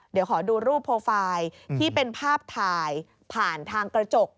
เดี๋ยวขอดูรูปโปรไฟล์ที่เป็นภาพถ่ายผ่านทางกระจก